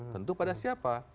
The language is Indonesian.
tentu pada siapa